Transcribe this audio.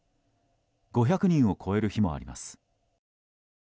５００人を超える日もあります。